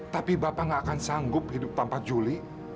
tapi bapak gak akan sanggup hidup tanpa juli